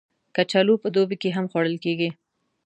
کچالو په دوبی کې هم خوړل کېږي